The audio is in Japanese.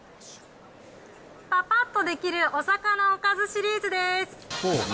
パパッとできるお魚おかずシリーズです。